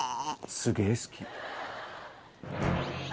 すげー好き。